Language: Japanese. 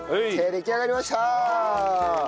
出来上がりました！